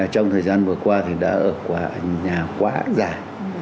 trong thời gian vừa qua thì đã ở nhà quá già